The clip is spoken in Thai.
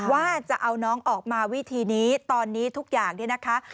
ว่าจะเอาน้องออกมาวิธีนี้ตอนนี้ทุกอย่างเนี่ยนะคะ